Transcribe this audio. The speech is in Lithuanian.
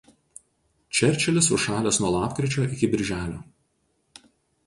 Čerčilis užšalęs nuo lapkričio iki birželio.